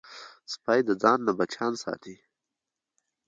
سپي د ځان نه بچیان ساتي.